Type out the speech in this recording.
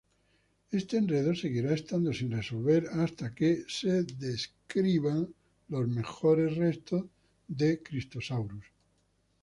Este enredo seguirá estando sin resolver hasta que mejores restos de "Kritosaurus" sean descritos.